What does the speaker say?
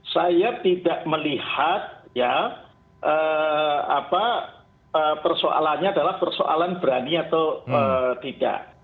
saya tidak melihat persoalannya adalah persoalan berani atau tidak